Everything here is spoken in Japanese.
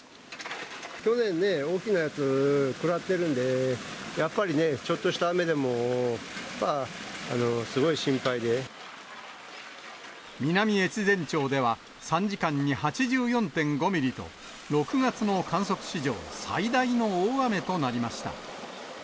去年ね、大きなやつくらってるんで、やっぱりね、ちょっとした雨でも、南越前町では３時間に８４．５ミリと、６月の観測史上最大の大雨となりました。